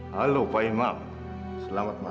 halo pak imam selamat malam